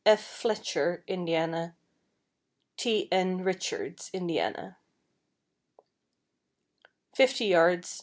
Fletcher, Indiana; T. N. Richards, Indiana; 50 yds.